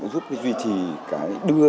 giúp duy trì cái đưa